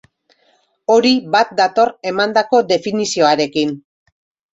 Hori bat dator emandako definizioarekin.